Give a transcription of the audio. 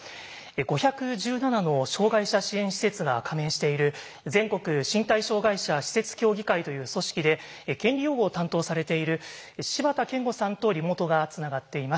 ５１７の障害者支援施設が加盟している全国身体障害者施設協議会という組織で権利擁護を担当されている柴田健吾さんとリモートがつながっています。